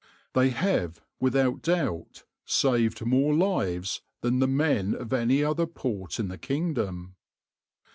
They have, without doubt, saved more lives than the men of any other port in the kingdom.